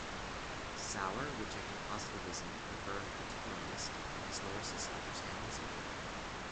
Sauer rejected positivism, preferring particularist and historicist understandings of the world.